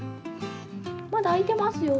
まだあいてますよ。